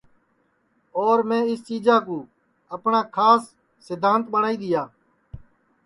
اور میں اِس چیجا کُو اپٹؔا کھاس سدھانت ٻٹؔائی دؔیا